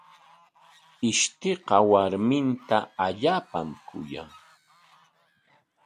Ishtiqa warminta allaapam kuyan.